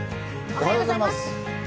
おはようございます。